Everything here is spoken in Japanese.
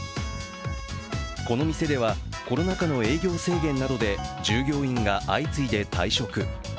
この店では、コロナ禍の営業制限などで従業員が相次いで退職。